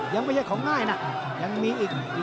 ยังไม่ใช่ของง่ายนะยังมีอีก